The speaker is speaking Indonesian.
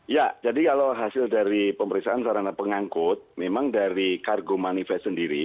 ya jadi kalau hasil dari pemeriksaan sarana pengangkut memang dari kargo manifest sendiri